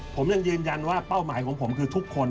ผมยังยืนยันว่าเป้าหมายของผมคือทุกคน